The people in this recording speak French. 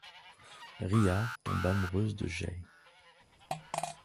Ria tombe amoureuse de Jai.